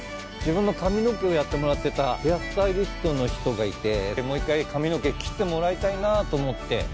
自分の髪の毛をやってもらってたヘアスタイリストの人がいてもう一回髪の毛切ってもらいたいなと思って。